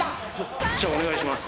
じゃあお願いします。